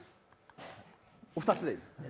お二つでいいですか？